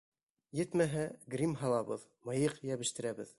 Етмәһә, грим һалабыҙ, мыйыҡ йәбештерәбеҙ.